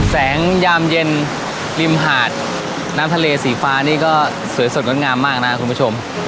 ยามเย็นริมหาดน้ำทะเลสีฟ้านี่ก็สวยสดงดงามมากนะครับคุณผู้ชม